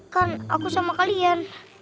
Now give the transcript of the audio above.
kan aku sama kalian